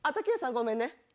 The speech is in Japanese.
ごめんね。